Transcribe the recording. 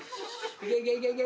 いけいけいけいけ。